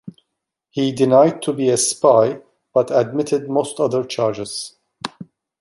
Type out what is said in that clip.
He denied to be a spy, but admitted most other charges.